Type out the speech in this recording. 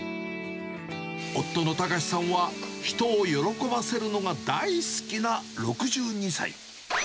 夫の隆さんは、人を喜ばせるのが大好きな６２歳。